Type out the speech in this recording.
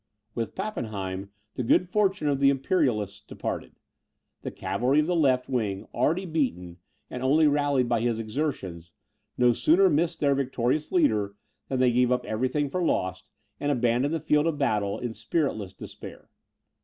With Pappenheim, the good fortune of the Imperialists departed. The cavalry of the left wing, already beaten, and only rallied by his exertions, no sooner missed their victorious leader, than they gave up everything for lost, and abandoned the field of battle in spiritless despair.